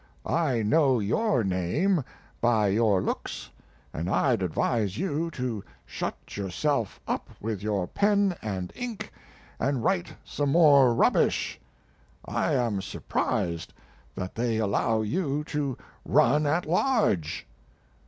I know your name by your looks, and I'd advise you to shut yourself up with your pen and ink and write some more rubbish. I am surprised that they allow you to run' at large.